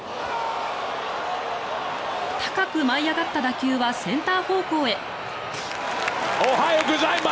高く舞い上がった打球はセンター方向へ。